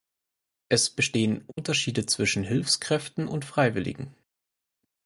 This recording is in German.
Es bestehen Unterschiede zwischen Hilfskräften und Freiwilligen.